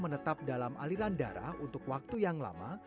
menetap dalam aliran darah untuk waktu yang lama